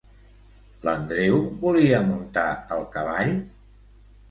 L'Andreu volia muntar el cavall?